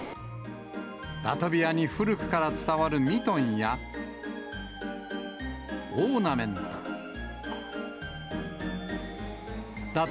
ラトビアに古くから伝わるミトンや、オーナメント。